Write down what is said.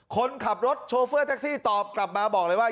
คนขับรถโชเฟอร์แท็กซี่ตอบกลับมาบอกเลยว่า